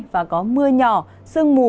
và có mưa nhỏ sương mù